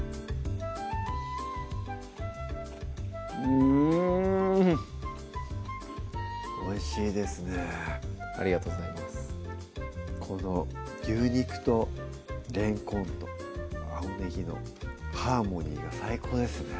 うんおいしいですねありがとうございますこの牛肉とれんこんと青ねぎのハーモニーが最高ですね